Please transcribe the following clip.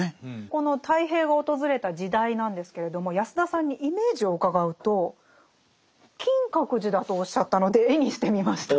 この太平が訪れた時代なんですけれども安田さんにイメージを伺うと金閣寺だとおっしゃったので絵にしてみました。